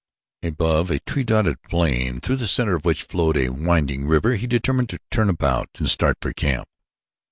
Above a tree dotted plain through the center of which flowed a winding river he determined to turn about and start for camp.